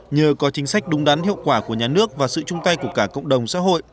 nhờ có chính sách đúng đắn hiệu quả của nhà nước và sự chung tay của cả cộng đồng xã hội